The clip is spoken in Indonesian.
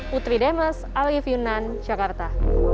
putri demes alif yunan jakarta